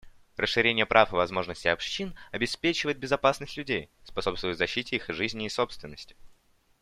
Расширение прав и возможностей общин обеспечивает безопасность людей, способствует защите их жизни и собственности.